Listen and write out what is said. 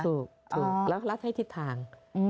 ถูกแล้วรัฐให้ทิศทาง